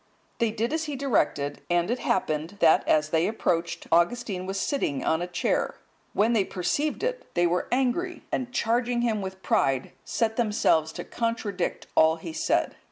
They did as he directed; and it happened, that as they approached, Augustine was sitting on a chair. When they perceived it, they were angry, and charging him with pride, set themselves to contradict all he said.